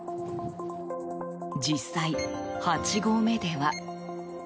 実際８合目では。